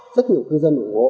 rất nhiều khu dân ủng hộ